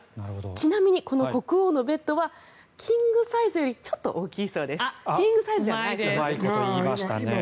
ちなみに、この国王のベッドはキングサイズよりちょっと大きいそうです。